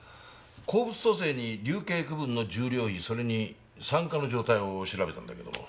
鉱物組成に粒径区分の重量比それに酸化の状態を調べたんだけど。